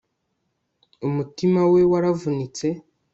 umutima we waravunitse